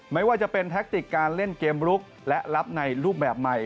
ไม่ว่าจะเป็นแท็กติกการเล่นเกมลุกและรับในรูปแบบใหม่